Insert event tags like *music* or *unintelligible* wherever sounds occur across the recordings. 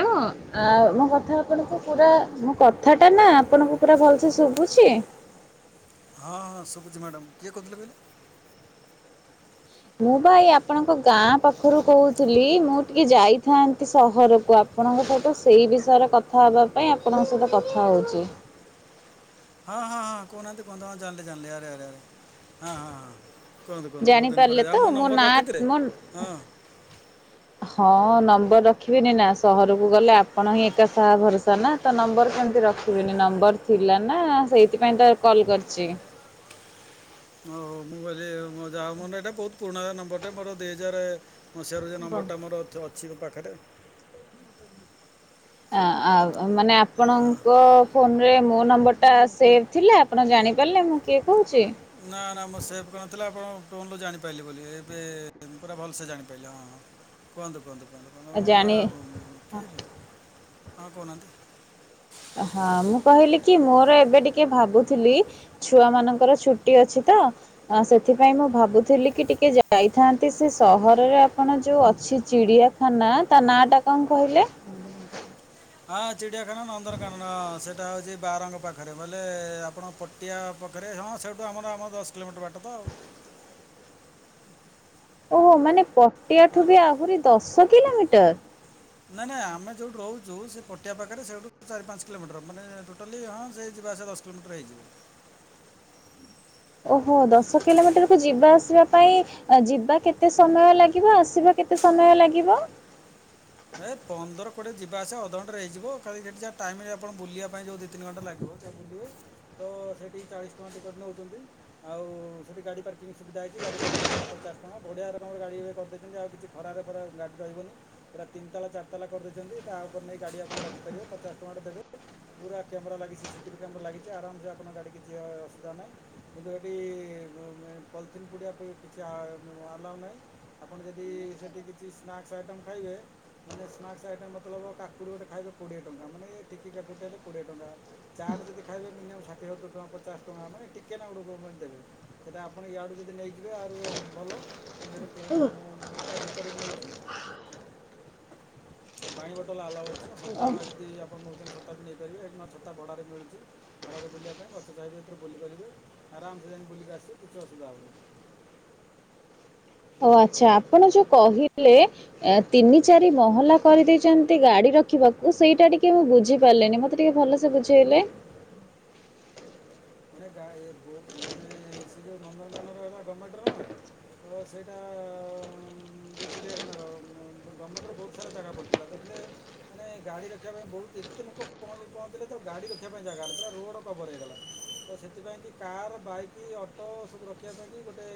ହଁ ହ୍ୟାଲୋ ଆଉ ମୋ କଥା ଆପଣଙ୍କୁ ହଁ ପୁରା ମୋ କଥା ଟା ନା ଆପଣଙ୍କୁ ପୁରା ଭଲସେ ଶୁଭୁଛି। ହଁ ହଁ ସୁବୁଚି ମ୍ୟାଡ଼ାମ କିଏ କହୁଥିଲେ କହିଲେ। ମୁଁ ଭାଇ ଆପଣଙ୍କ ଗାଁ ପାଖରୁ କହୁଥିଲି ମୁଁ ଟିକେ ଯାଇଥାନ୍ତି ସହରକୁ ଆପ ଆପଣଙ୍କଠୁ ସେଇ ବିଷୟରେ କଥା ହେବା ପାଇଁ ଆପଣଙ୍କ ସହିତ କଥା ହଉଛି। ହଁ ହଁ ହଁ କହୁନାହାନ୍ତି କୁହନ୍ତୁ ଜାଣିଲି ଜାଣିଲି ଆରେ ଆରେ ଆରେ ହଁଁହଁ ହଁ। କୁହନ୍ତୁ କୁହନ୍ତୁ ବହୁତ ଦିନ ପରେ ଜାଣିପାରିଲେ ଆଉ ତ ମୋ ନମ୍ବର ନା ରଖିଥିଲେ ମୁ ହଁ ହଁ ନମ୍ବର ରଖିବିନିନା ସହରକୁ ଗଲେ ଆପଣ ହିଁ ଏକା ସାହା ଭରସା ନା ତ ନମ୍ବର କେମିତି ରଖିବିନି ନା। ନମ୍ବର ଥିଲା ନା ସେଇଥିପାଇଁ ତ କଲ କରିଚି। ଓ ହ ମୁଁ କହିଲି ମ ଯାହେଉ ମାନେ ଏଇଟା ବହୁତ ପୁରୁଣା ନମ୍ବର ଟେ ମୋର ଦି ହଜାରେ ମୁଁ ସାରୁ ଯେ ନମ୍ବରଟା ମୋର ଅଛି ମୋ ପାଖରେ। ଆ ଆ ମାନେ ହଁ ଆପଣଙ୍କ ଫୋନରେ ମୋ ନମ୍ବରଟା ସେଭ୍ ଥିଲା ଆପଣ ଜାଣିପାରିଲେ ମୁଁ କିଏ କହୁଛି? ନା, ନା ମୁଁ ସେଭ କରିନଥିଲି ଆପଣ ଟୋନରୁ ଜାଣିପାରିଲି ବୋଲି ଏବେ ପୁରା ଭଲସେ ଜାଣିପାରିଲି ହଁ ହଁ। କୁହନ୍ତୁ କୁହନ୍ତୁ କୁହନ୍ତୁ କୁହନ୍ତୁ ଆଜାଣି ହଁ, ଠିକ୍ ଅଛି। *inaudible* ହଁ କହୁନାହାନ୍ତି *inaudible* ହଁ ମୁଁ କହିଲି କି ମୋର ଏବେ ଟିକେ ଭାବୁଥିଲି ଛୁଆ ମାନଙ୍କର ଛୁଟି ଅଛି ତ ସେଥିପାଇଁ ମୁଁ ଭାବୁଥିଲି କି ଟିକେ ଯାଇଥାନ୍ତି ସେ ସହରରେ ଆପଣ ଯୋଉ ଅଛ ଅଛି ଚିଡିଆଖାନା ତାନାଟା କଣ କହିଲେ? ହଁ ଚିଡ଼ିଆଖାନା ନନ୍ଦନକାନନ ହଁ ସେଇଟା ହଉଛି ବାରଙ୍ଗ ପାଖରେ ବୋଲେ ଆପଣ ପଟିଆ ପଖ ହଁ ସେଠୁ ଆମର ଆମର ଦଶ କିଲୋମିଟର ବାଟ ତ ଆଉ। *inaudible* ଓହୋ ମାନେ ପଟିଆ ଠୁ ହଁ ବି ଆହୁରି ଦଶ କିଲୋମିଟର? ନାଇଁ ନାଇଁ ଆମେ ଯୋଉଠୁ ରହୁଛୁ ସେ ପଟିଆ ପାଖରେ ସେଠୁ ଚାରି, ପାଞ୍ଚ କିଲୋମିଟର ମାନେ ଟୋଟାଲି ହଁ ସେ ଆସ ଦଶ କିଲୋମିଟର ହେଇଯିବ। *inaudible* *inaudible* ଓହୋ ଦଶ କିଲୋମିଟର କୁ ଯିବା ଆସିବା ପାଇଁ ଯିବା କେତେ ସମୟ ଲାଗିବ? ଆସିବା କେତେ ସମୟ ଲାଗିବ? ଏ ପନ୍ଦର କୋଡ଼ିଏ ଯିବା ଆସିବା ଅଧଘଣ୍ଟେ ରେ ହେଇଯିବ ଖାଲି ସେଠି ଯାହା ଟାଇମରେ ଆପଣ ବୁଲିବା ପାଇଁ ଯଉ ଦି, ତିନି ଘଣ୍ଟା ଲାଗିବ। *unintelligible* ବୁଲିବେ ତ ସେଠିକି ଚାଳିଶ ଟଙ୍କା ଟିକେଟ୍ ନେଉଛନ୍ତି ଆଉ ସେଠି ଗାଡ଼ି ପାର୍କିଂ ସୁବିଧା ଗାଡି *unintelligible* ପଚାସ ଟଙ୍କା ବଢିଆ ରକମର ଗାଡି ଇଏ କରିଦେଇଛନ୍ତି ଆଉ କିଛି ଖରାରେ ଫରାରେ ଗାଡି ରହିବନି। ପୁରା ତିନିତାଲା, ଚାରିତାଲା କରିଦେଇଛନ୍ତି। ତାଉପରେ ନେଇକି ଗାଡ଼ି ଆପଣ ରଖି ପାରିବେ ପଚାଶ ଟଙ୍କାଟେ ଦେବେ ପୁରା କ୍ୟାମେରା ଲାଗିଛି ସିସିଟିଭି କ୍ୟାମେରା ଲାଗିଛି ଆରାମସେ ଆପଣଙ୍କ ଗାଡି କିଛି ଅସୁବିଧା ନାହିଁ କିନ୍ତୁ ଏଠି *unintelligible* ପଲିଥିନ୍ ପୁଡିଆ ପାଇଁ କିଛି ଆ ଆଲାଉ ନାହିଁ ଆପଣ ଯଦି ସେଠୀ କିଛି ସ୍ନା ପାଂଆଶ ଆଇଟମ୍ ଖାଇବେ। ମାନେ ସ୍ନାକସ ଆଇଟମ୍ ମତଲବ କାକୁଡ଼ି ଗୋଟେ ଖାଇବେ କୋଡ଼ିଏ ଟଙ୍କା ମାନେ ଟିକି କାକୁଡିଟେ ହେଲେ କୋଡ଼ିଏ ଟଙ୍କା। ଚାଟ୍ ଯଦି ଖାଇବେ ମିନିଅମ୍ ଷାଠିଏ, ସତୁରୀ ଟଙ୍କା, ପଚାଶ ଟଙ୍କା ମାନେ ଟିକେ ନାଗୁରୁ ଦେବେ ସେଟା ଆପଣ ୟାଡୁ ଯଦି ନେଇଯିବେ ଆଉରୁ ଭଲ *unintelligible* ତା ଭିତରେ ବି ମିଳୁଛି। *inaudible* ପାଣି ବୋଟଲ ଆଲାଉ ଅଛି ଛତା ଯଦି ଆପଣ ନେଉଛନ୍ତି ଛତା ବି ନେଇପାରିବେ ସେଠୀ ନହେଲେ ଛତା ଭଡ଼ାରେ ମିଳୁଛି ଖରାରେ ବୁଲିବା ପାଇଁ ଗଛ ଛାଇରେ ଯେତେ ବୁଲି ପାରିବେ ଆରମ ସେ ଯାଇକି ବୁଲିକି ଆସିବେ କିଛି ଅସୁବିଧା ହେବନାହିଁ। *inaudible* ଓ ଆଚ୍ଛା ଆପଣ ଯୋଉ କହିଲେ ତିନି, ଚାରି ମହଲା କରିଦେଇଛନ୍ତି ଗାଡିର ରଖିବାକୁ ସେଇଟା ଟିକେ ମୁଁ ବୁଝି ପାରିଲନି ମତେ ଟିକେ ଭଲସେ ବୁଝେଇଲେ? *inaudible* ମାନେ *unintelligible* ମାନେ ସେ ଯଉ ନନ୍ଦନକାନନ ଗମେଣ୍ଟର ନା? ତ ସେଇଟା ଯୋଉ ଚିଡିଆଖାନାର ଗମେଣ୍ଟର ବହୁତ ସାରା ଜାଗା ପଡିଥିଲା ମାନେ ମାନେ ଗାଡି ରଖିବା ପାଇଁ ବହୁତ ଏତେ ଲୋକ ପହଞ୍ଚିଲେ ତ ଗାଡି ରଖିବା ପାଇଁ ଜାଗା ନାହିଁ। ପୁରା ରୋଡ କଭର ହେଇଗଲା ଆଉ ସେଥିପାଇଁକି କାର୍, ବାଇକ୍, ଅଟୋ ସବୁ ରଖିବା ପାଇଁକି ଗୋଟେ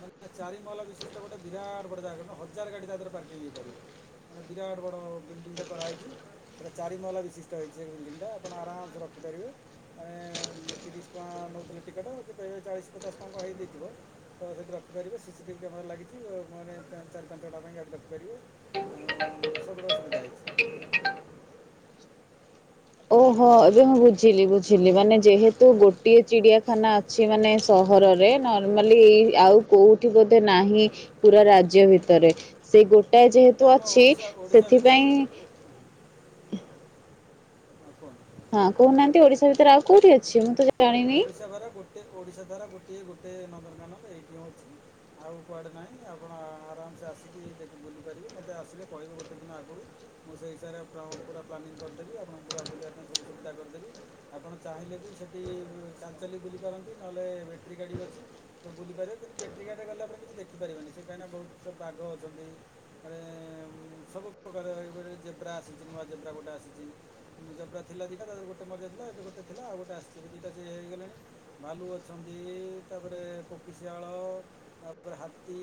ମାନେ ଚାରିମହଲ ବିଶି ଗୋଟେ ବିରାଟ ବଡ ଜାଗା ମାନେ ହଜାର ଗାଡି ତା ଦେହରେ ପାର୍କିଂ ହେଇପାରିବ। ଗୋଟେ ବିରାଟ ବଡ ବିଲ୍ଡିଙ୍ଗଟେ କରାହେଇଛି ସେଟା ଚାରିମହଲା ବିଶିଷ୍ଟ ହେଇଛି ସେ ବିଲଡିଙ୍ଗ ଟା ଆପଣ ଆରାମସ ରଖ କରିବେ *inaudible* ମାନେ ତିରିଶ ଟଙ୍କା ନେଉଥିଲେ ଟିକେଟ କେତେ ଚାଳିଶ ପଚାଶ ଟଙ୍କା ହେଇ ଯାଇଥିବ ତ ସେଇଠି ରଖିପାରିବେ ସିସିଟିଭି କ୍ୟାମେରା ଲାଗିଛି *unintelligible* ମାନେ ଚାରି, ପାଞ୍ଚଟା ପାଇଁ ଗାଡି ରଖିପାରିବେ ଆଉ ସବୁର ସୁବିଧା ହେଇଛି *inaudible* ଓହୋ ଏବେ ମୁଁ ବୁଝିଲି ବୁଝିଲି ମାନେ ଯେହେତୁ ଗୋଟିଏ ଚିଡିଆଖାନା ଅଛି, ମାନେ ସହର *unintelligible* ନର୍ମାଲି ଏଇ ଆଉ କୋଉଠି ବୋଧେ ନାହିଁ ପୁରା ରାଜ୍ୟ ଭିତରେ ସେ ଗୋ *unintelligible* ଏ ଯେହେତୁ ନା ଆମ ଅଛି ଓଡ଼ିଶା ଓଡ଼ିଶା ଭିତରେ ସେଥିପାଇଁ ଓ- ହଁ କୁହ? ହଁ କହୁନାହାନ୍ତି ଓଡିଶା ଭିତରେ ଆଉ କୋଉଠି ଅଛି? ମୁଁ ତ ଜା ଓଡିଶା ଘର ଗୋଟେ ଓଡିଶା ଦାରା ଗୋଟିଏ ଗୋଟେ ନନ୍ଦନକାନନ ଏଇଠି ଅଛି ଆଉ କୁଆଡେ ନାହିଁ ଆପଣ ଆରାମସେ ଆସିକି ବୁଲିପାରିବି ମୋତେ ଆସେ କହିବ ଗୋେ ଦିନ ଆଗରୁ ମୁଁ ସେ ହିସରେ ପୁରା ପ୍ଲାନିଂ କରିଦେବି ଆପଣଙ୍କୁ ପୁରା ବୁଲିବା ପାଇଁ ସବୁ ସୁବିଧା କରିଦେବି ଆପଣ ଚାହିଁଲେ ବି ସେଠି ଚାଲି ଚାଲଲି ବୁ ପାରନ୍ତି ନହେଲେ ବଟେୀ ଗାଡ଼ି ବସି ବୁଲି ପାରିବେ କିନ୍ତୁ ବଟେୀ ଗାଡ଼ିଟା ଗଲା ପରେ କି ଦେଖିପାରିବେ ସେ କାହିଁକିନା ବହୁତ ବାଘ ଅଛନ୍ତି ସବୁକାର୍ରା ଆଛି ନୂ ଜେବ୍ର ଗୋଟେ ଆସିଛି ଜେବ୍ରାଥିଲା ଦେକଖା ତା ଗୋଟେ ମଜା ଥିଲା ଏ ଗୋ ଥିଲା ଆଉ ଗୋଟେ ଆସିଛି ଗଟେ ଏଇଟା ସେ ହେଇଗଲେଣି ଭାଲୁ ଅଛନ୍ତି, ତାପରେ କୋକିଶିଆଳ ତାପରେ ହାତ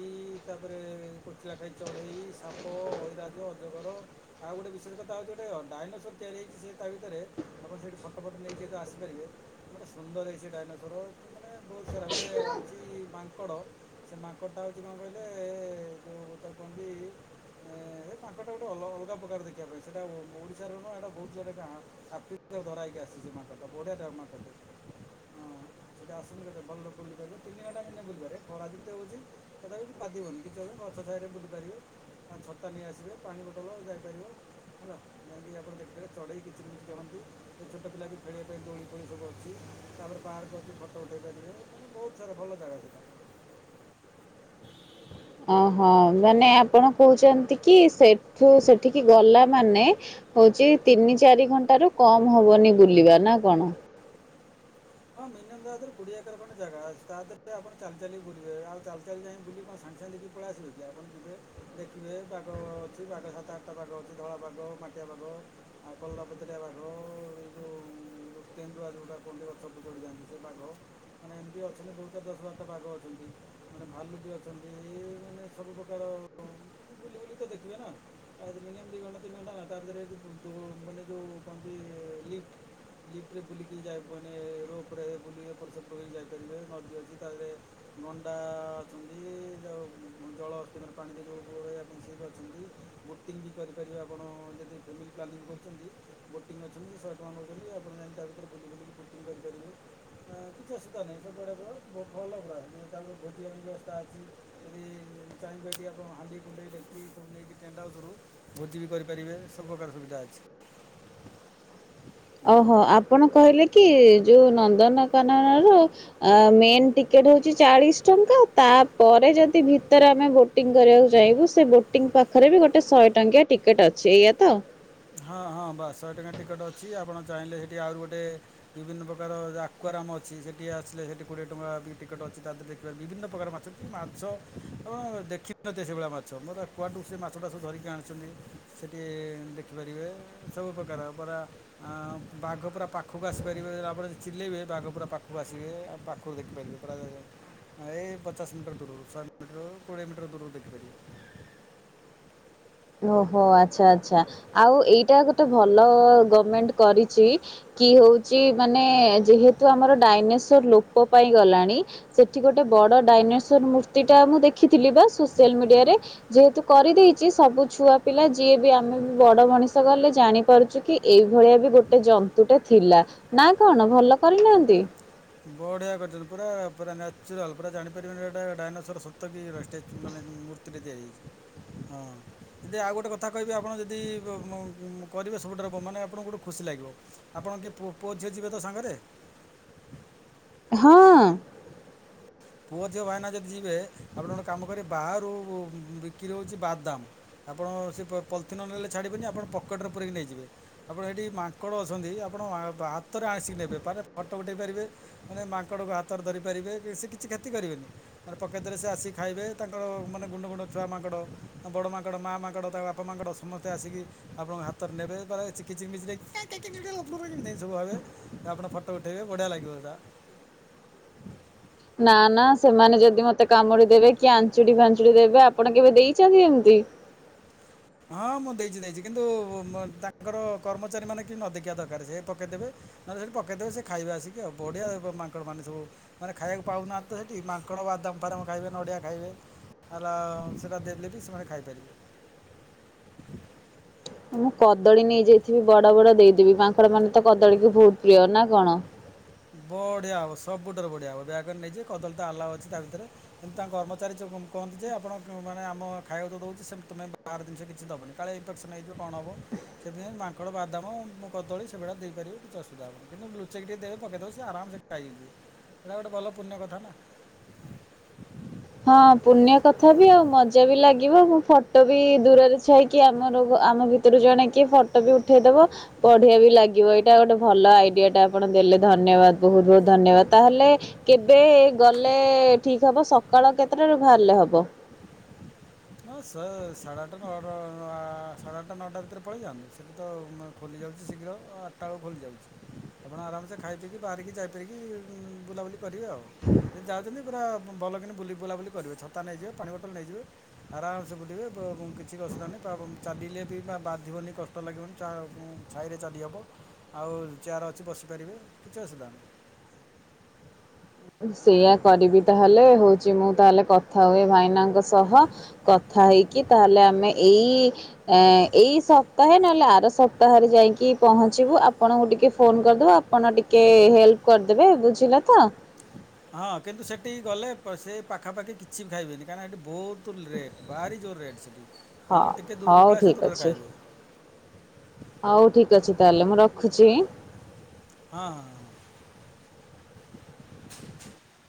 ତାପରେ କୋଚିଲା ଖାଇ ଚଢ଼େଇ ସାପ ଐରାଜ ଅଜଗର ଆଉ ଗୋ ବିଶେଷ କଥା ହଉଛି ଗୋଟେ ଡାଇନୋସର ତିଆରି ହେଇଛି ସେ ତା ଭିତରେ ଆପଣ ସେଇଠି ଫଟୋ ଫଟ ନେଇକି ଆସିପାରିବେ ଗୋଟେ ସୁନ୍ଦର ହେଇଛି, ଡାଇନସୋର ମାନେ ବହୁତ ସାରା ଗୋଟେ ଅଛି, ମାଙ୍କଡ଼ ସେ ମାଙ୍କଡ ଟା ହଉଛି କଣ କହିଲେ ଯୋଉ ଗୋଟେ କହନ୍ଦି ଏ ତାଙ୍କଟା ଗୋଟେ ଅଲଗା ପ୍ରକାର ଦେଖିବା ପାଇଁ ସେଇଟା ଓଶାର ନୁହଁ ଏଇଟା ବହୁତ ଜୁଡା ଧରାଇକି ଆସିଛି ମାଟା ବଢିଆ ମା *inaudible* ସେ ଆସୁ ଗେ ଭଲୁିବ ତିନି ଘଣ୍ ନେ ବୁଲିବ ଖରା ଯେମତି ହଉ ତ କଥାପିିବନିଛି ସାରେ ବୁଟି ପାରିବେ ଆଉ ଛରତା ନେଇ ଆସିବେ ପାଣି ଗୋଟଳ ଯାଇପାରିବ। ହେଲା ଯାଇକି ଆପଣ ଦେଖିବେ ଚଢେଇି କିଛି ବିଛି କନ୍ତି ଛୋଟ ପିଲା ବି ଖେଳିବା ପାଇଁ କ ପୁଣି ସବୁ ଅଛି ତାପରେ ପାର୍କ ଅଛି ଫଟୋ ଉଠାଇ ପାରିବେ ମାନେ ବହୁତ ସାରା ଭଲ ଜାଗା ସେ ତାକୁ *inaudible* ଓହୋ ମାନେ ଆପଣ କହୁଛନ୍ତି, କି ସେଠୁ ସେଠିକି ଗଲା ମାନେ ହଉଛି ତିନି ଚାରି ଘଣ୍ଟ ରୁ କମ ହବନି ବୁଲିବା ନା କଣ? ହଁ ମିନିମ ତାାରେ କୋଡିଏ ଏକର କଣ ଜାଗା, ତା ଦେହରେ ଆପଣ ଚାଲି ଚାଲ ବୁିବେ ଆଉ ଚାଲି ଚାଲି ଯାଇ ବୁ କ କି ପଳେଇ ଆସିବେ କି ଆପଣ ଯିବେ ଦେଖିବେ ବାଗ ଅଛି, ବାଘ ସାତ ଆଠଟା ବାଗ ଅଛି, ଧଳାଗ ମା କୁ ଆଉ କଲାପତରେ ଆବାକୁ ପେ ଆଟା କ ସବୁ ଚଡ଼ି ଯାଆନ୍ତି ସେ ବାଘ ମାନେ ଏମିତି ଅଛନ୍ତି, ବହୁତ ଦଶ ବାର ବାଘ ଅଛନ୍ତି ମାନେ ଭାଲୁ ବି ଅଛନ୍ତି ଇଏ ମାନେ ସବୁପ୍ରକାର ବୁଲି ବୁଲିିକ ତ ଦେଖିବେ ନା ଆ ନି ଦି ଗଣତି ଗଟାଟ ମନେ ଯୋଉ ଲିରେ ବୁଲିକି ଯାଏ। ହଁ। ଉପରେ ବୁଲ ଏପଟ ସେପଟକ ଯାଇପାରିବେ ନଦୀ ଅଛି ତାପରେ ମଣ୍ଡା ଅଛନ୍ତି ଯେଉ ଜଳ ଅମରେ ପାଣି ଦେଇ ଯେଁ ଆପଣ ସେ ବି ଅଛନ୍ତି ବୁଟିଂ ବି କରିପାରିବେ ଆପଣ ଯଦି ଫ୍ୟାମିଲି ପ୍ଲାନିଂ କରୁଛନ୍ତି ବୋଟିଂ ଅଛନ୍ତି, ସ ଅଛନ୍ତି ଆପଣ ଯାଇ ତା ପାତରେ ବୁଲି ବୁଲି କରୁଛନ୍ତି *unintelligible* କିଛି ଅସୁବିଧା ନାହିଁ ସେବୁଡ଼େ ଭଲ ପ୍ର ତାଙ୍କରେ ଭୋଜିବା ବ୍ୟବସ୍ଥା ଅଛି ଯଦି ଚାହିଁବେଠି ଆପଣ ହାଣ୍ଡି କୁଣ୍ଡେଇ ବ୍ୟକ୍ତି ସବୁ ନେଇକି ଟେଣ୍ଟ ହାଉସରୁୁ ଭୋଜି ବି କରିପାରିବେ ସବୁ ପ୍ରକାର ସୁବିଧା ଆଛା। *inaudible* ଓହୋ ଆପଣ କହିଲେ କି ଯୋଉ ନନ୍ଦନକାନନ ର ମେନ୍ ଟିକେ ଚାଳିଶ ଟଙ୍କା ତାପରେ ଯଦି ଭିତରେ ଆମେ ବୋଟିଂ କରିବାକୁ ଚାହିଁବୁ ସେ ବୋଟିଂ ପାଖରେ ବି ଗୋଟେ ଶହେ ଟଙ୍କିଆ ଟିକେଟ ଅଛି ଏଇଆ ତ! ହଁ ହଁ ବଶହ ଟଙ୍କା ଟିକେଟ୍ ଅଛି ଆପଣ ଚାହିଁଲେ, ସେଇଠି ଆରି ଗୋଟେ ବିଭିନ୍ନ ପ୍ରକାର ଆକୁଆର ଅଛି, ସେଠି ଆସିଲେ ସେଠି କୋଡିଏ ଟଙ୍କା ଟିକେଟ ଅଛି, ବିଭିନ୍ନ ପ୍ରକାର ମାଛ କି ମାଛ ହଁ ଦେଖିନିନ ସେଇଭଳିଆ ମାଛ ମୋର କୁଆଠୁ ସେ ମାଛଟାସ ଧରିକି ଆଣିଛନ୍ତି ସେଠି ଦେଖିପାରିବେ ସବୁପ୍ରକାର ପୁରରା ବାଘ ପୁରା ପାଖକୁ ଆସିପାରିବେ ଆପଣଦି ଚିଲେଇବେ- ପୁର ଆଗ ପୁରା ପାଖକୁ ଆସିବେ ଆଉ ପାଖକୁ ଦେଖିପାରିବେ ପୁରା ଦେ ଏଇ ପଚାଶ ମିଟର ଦୂରରୁ ଶହେ ମିଟର କୋଡିଏ ମିଟର ଦୂରରୁ ଦେଖିପାରିବ *inaudible* ଓହୋ ଆଚ୍ଛା ଆଚ୍ଛା ଆଉ ଏଇଟା ଗୋଟେ ଭଲ ଗଭର୍ଣମେଣ୍ଟ କରିଛି କି? ହଉଛି ମାନେ ଯେେତୁ ଆମର ଡାଇନର ଲୋ ପାଇଁ ଗଲାଣି ସେଠି ଗୋଟେ ବ ଡାଇର ମୂତି ଟା ମୁଁ ଦେଖିଥିଲି ବା ସୋସିଆଲ ମିଡିରେ ଯେତୁ କରିଦେଇଛି ସବୁ ଛୁଆ ପିଲା ଯିଏ ବି ଆମେ ବି ବଡ଼ ମଣିଷ ଗଲେ ଜାଣିପାରୁଛୁ କି ଏଇଭଳିଆ ବି ଗୋଟେ ଜନ୍ତୁଟେ ଥିଲା ନା କଣ ଭଲ କରିନାହାନ୍ତି? ବଢିଆ କରିଛନ୍ତି ପୁର ପା ନ୍ୟାଚୁରାଲ ପୁରା ଜାଣିପାରିବେନିଟ ଡାଇନସର ସତ କିନେ ମୂର୍ତ୍ତିରେ ଯତିଆଛି। ହଁ ଯଦି ଆଉ ଗୋଟେ କଥା କହିବେ ଆପଣ ଯଦି କରିବେ ସବୁଠା ରୋକ ମାନେ ଆପଣଙ୍କୁ ଗୋଟେ ଖୁସି ଲାଗ ଲିବ ଆପଣ କିଏ ପୁଅଝିଅ ଯିବେ ତ ସାଙ୍ଗରେ ହଁ। ପୁଅ ଝିଅ ଭାଇନା ଯଦି ଯିବେ ଆପଣ ଗୋଟେ କାମ କରିବେ ବାହାରୁ ବିକ୍ରି ହେଉଛି ବାଦ୍ ଦାମ ଆପଣ ସେ ପଲିଥିନ ନେଲେ ଛାଡ଼ିବେନି ଆପଣ ପକେଟ୍ରରେ ପୁରରିକି ନେଇଯିବେ ଆପଣ ଏଇଠି ମାଙ୍କଡ଼ ଅଛନ୍ତି ଆପଣ ହାତରେ ଆସିକି ନେବେ ଫଟୋ ଉଠେଇ ପାରିବେ ମାନେ ମାଙ୍କଡକୁ ହାତରେ ଧରି ପାରିବେ କି କିଛି କ୍ଷତି କରିବେନି ମାନେ ପକେତରେ ସେ ଆକି ଖାଇବେ ତାଙ୍କର ମାନେ ଗୁଣ୍ଡ ଗୁଣ୍ଡ ଛୁଆ ମାଙ୍କଡ଼ ବଡ଼ ମାଙ୍କଡ଼ ମା ମାଙ୍କଡ ତାଙ୍କ ବାପା ମାଙ୍କଡ ସମସ୍ତେ ଆସିକି ଆପଣଙ୍କ ହାତରେ ନେବେ ମାନେ ଚି ଚିକି *unintelligible* ସବ ହେବେ ଆପଣ ଫଟୋ ଉଠେଇବେ ବଢିଆ ଲାଗିବ ସେଟା। *inaudible* ନା ନା ସେମାନେ ଯଦି ମତେ କାମୁଡି ଦେବେ କି ଆଞ୍ଚୁଡି ଫାଞ୍ଚୁଡି ଦେବେ ଆପଣ କେବେ ଦେଇଛନ୍ତି ଏମିତି? *inaudible* ହଁ ମୁଁ ଦେଇଛି ଦେଇଛି କିନ୍ତୁ ତାଙ୍କର କର୍ମଚାରୀ ମାନେ କି ନ ଦେଖିବା ଦରକାର ସେ ପକେଇଦେବେ ନହେଲେ ସେଠି ପକେଇ ଦେବେ ସେ ଖାଇବେ ଆସିକି ଆଉ। ବଢ଼ିଆ ମାଙ୍କଡ଼ ମାନେ ସବୁ ମାନେ ଖାଇବାକୁ ପାଉନାହାନ୍ତି ତ ସେଠି ମାଙ୍କଡ଼ ବାଦାମ ଫାଦାମ୍ ଖାଇବେ ନଡ଼ିଆ ଖାଇବେ ହେଲା ସେଇଟା ଦେଇଦେଲେ ବି ସେମାନେ ଖାଇପାରିବେ। ମୁଁ କଦଳୀ ନେଇଯାଇଥିବି ବଡ ବଡ ଦେଇଦେବି ମାଙ୍କଡ ମାନେ ତ କଦଳୀକୁ ବହୁତ ପ୍ରିୟ ନା କଣ? ବଢିଆ ହବ ସବୁଠାରୁ ବଢିଆ ହବ ବ୍ୟାଗରେ ନେଇଯିବେ କଦଳୀ ତ ଆଲାଉ ଅଛି ତା ଭିତରେ କିନ୍ତୁ ତାଙ୍କ କର୍ମଚାରୀ କହନ୍ତି ଯେ ଆପଣ ମାନେ ଆମ ଖାଇବାକୁ ତ ଦେଉଛୁ ସେ ତମେ ବାହର ଜିନିଷ କିଛି ଦେବନି କାଳେ ଇନଫେକ୍ସନ୍ ହେଇଯିବ କଣ ହେବ ସେଥିପାଇଁ ମାଙ୍କଡ଼ ବାଦାମ କଦଳ ସେଭଳିା ଦେଇପାରିବ କିଛି ଅସୁବିଧା ହେବନି କିନ୍ତୁ ଲୁଚେକ ଟିକେ ଦେବେ ପକେଇ ଦବ ସ ଆରାମସେ ଖାଇ ସେଇଟା ଗୋଟେ ଭଲ ପୁଣ୍ୟ କଥା ନା। ହଁ ପୁଣ୍ୟ କଥା ବି ଆଉ ମଜା ବି ଲାଗିବ ମୁଁ ଫଟୋ ବି ଦୂରରେ ଛାଇକି ଆମର ଆମ ଭିତରୁ ଜଣେ କିଏ ଫଟୋ ବି ଉଠେଇଦବ ବଢ଼ିଆ ବି ଲାଗିବ ଏଇଟା ଗୋଟେ ଭଲ ଆଇଡିଆ ଟା ଆପଣ ଦେଲେ ଧ ଧନ୍ୟବାଦ ବହୁତ ବହୁତ ଧନ୍ୟବାଦ ତାହେଲେ କେବେ ଗଲେ ଠିକ ହବ ସକ୍ ସକାଳ କେତେଟାରୁ ବାହାରିଲେ ହବ? ନା ଶ ସାଢ଼େ ଆଠଟା ନଅଟା ସାଢ଼େ ଆଠଟା ନଅଟା ଭିତରେ ପଳେଇଯାଆନ୍ତୁ। ସେଇଠି ତ ଖୋଲିଯାଉ ଶୀଘ୍ର ଆଠଟା ବେଳୁ ଖୋଲି ଯାଉଛି। ଆପଣ ଆରାମସେ ଖାଇ ପିକି ବାହାରିକି ଯାଇପାରିକି ବୁଲାବୁଲି କରିବେ ଆଉ ଯଦି ଯାଉଛନ୍ତି ପୁରା ଭଲ କି ବୁଲି ବୁଲାବୁଲି କରିବେ ଛତା ନେଇଯିବେ ପାଣି ବୋଟଲ ନେଇଯିବେ ଆରାମସେ ବୁଲିବେ ବ କିଛି ବି ଅସୁିଧା ନାହିଁ ତା ଚାଲିଲେ ବି ବା ବାନ୍ଧିବନି କଷ୍ଟ ଲାଗିବନି ଛାଇରେ ଚାଲି ହେବ ଆଉ ଚେୟାର ଅଛି ବସି ପାରିବେ କିଛି ଅସୁବିଧା ନାହିଁ। *inaudible* ସେଇୟା କରିବି ତାହେଲେ ହଉଛି ମୁଁ ତାହେଲେ କଥା ହୁଏ। ଭାଇନାଙ୍କ ସହ କଥା ଥା ହେଇକି ତାହେଲେ ଆମେ ଏଇ ଏଇ ସପ୍ତାହେ ନହେଲେ ଆର ସପ୍ତାହରେ ଯାଇକି ପହଞ୍ଚିବୁ ଆପଣଙ୍କୁ ଟିକେ ଫୋନ କରିଦବୁ ଆପଣ ଟିକେ ହେଲ୍ପ କରିଦେବେ ବୁଝିଲେ ତ। ହଁ କିନ୍ତୁ ସେଠି ଗଲେ ସେ ପାଖାପାଖି କିଛି ବି ଖାଇବେନି କାହିଁକି ଏଠି ବହୁତ ରେଟ ଭାରି ଜୋର ରେଟ ସେଠି। ହଁ ତେଣୁକରି ଟିକେ ଦୂରକୁ ହଉ ପଳେଇ ଆସିବେ ଠିକ୍ ଦୂରରେ ଅଛି। ଖାଇବେ ହଁ ହଉ ଠିକ ଅଛି ତାହେଲେ ମୁଁ ରଖୁଛି। ହଁ ହଁ ହ।